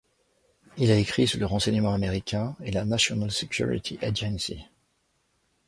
Il a écrit sur le renseignement américain et la National Security Agency.